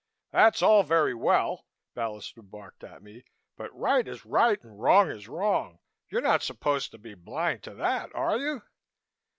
"That's all very well," Ballister barked at me, "but right is right and wrong is wrong. You're not supposed to be blind to that, are you?"